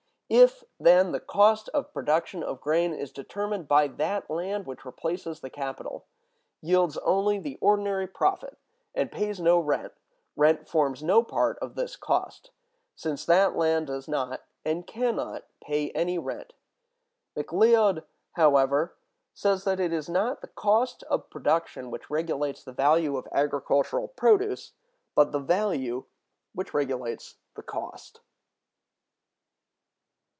If, then, the cost of production of grain is determined by that land which replaces the capital, yields only the ordinary profit, and pays no rent, rent forms no part of this cost, since that land does not and can not pay any rent. McLeod,(189) however, says it is not the cost of production which regulates the value of agricultural produce, but the value which regulates the cost.